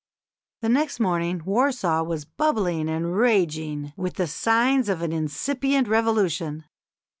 The next morning Warsaw was "bubbling and raging with the signs of an incipient revolution.